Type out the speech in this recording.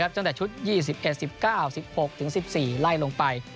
ตั้งแต่ชุด๒๑๑๙๑๖ถึง๑๔ไล่ลงไป